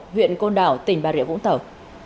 huyện côn đảo tỉnh bà rịa vũng tàu